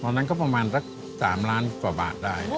ตอนนั้นก็ประมาณสัก๓ล้านกว่าบาทได้